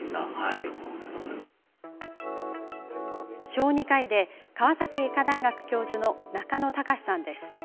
小児科医で川崎医科大学教授の中野貴司さんです。